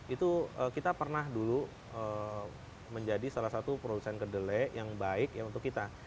itu kita pernah dulu menjadi salah satu produsen kedelai yang baik ya untuk kita